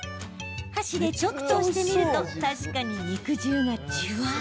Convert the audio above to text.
箸で、ちょっと押してみると確かに肉汁がじゅわ。